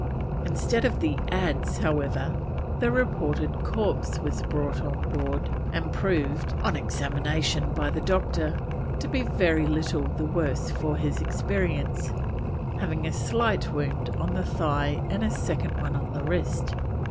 Instead of the adze, however, the reported corpse was brought on board, and proved, on examination by the doctor, to be very little the worse for his experience, having a slight wound on the thigh and a second one on the wrist.